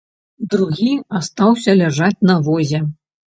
Другі астаўся ляжаць на возе.